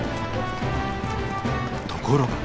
ところが。